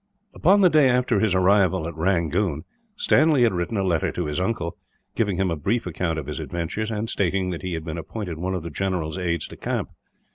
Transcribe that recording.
Upon the day after his arrival at Rangoon, Stanley had written a letter to his uncle; giving him a brief account of his adventures, and stating that he had been appointed one of the general's aides de camp.